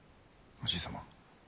おじい様！